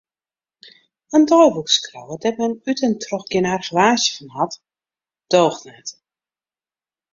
In deiboekskriuwer dêr't men út en troch gjin argewaasje fan hat, doocht net.